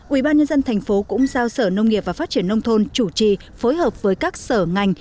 ủy ban nhân dân tp cũng giao sở nông nghiệp và phát triển nông thôn chủ trì phối hợp với các sở ngành